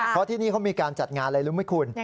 เพราะที่นี่เขามีการจัดงานอะไรรู้ไหมคุณ